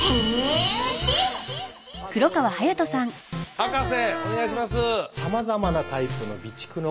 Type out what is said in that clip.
博士お願いします。